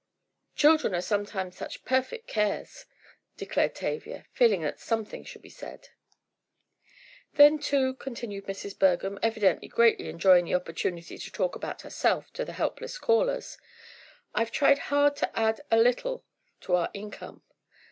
"Children are sometimes such perfect cares," declared Tavia, feeling that something should be said. "Then, too," continued Mrs. Bergham, evidently greatly enjoying the opportunity to talk about herself to the helpless callers, "I've tried hard to add a little to our income.